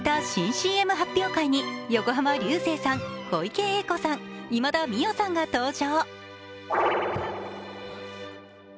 都内で行われた新ＣＭ発表会に横浜流星さん、小池栄子さん、今田美桜さんが登場。